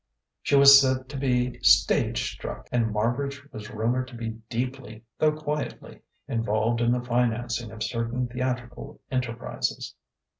She was said to be stage struck; and Marbridge was rumoured to be deeply, though quietly, involved in the financing of certain theatrical enterprises.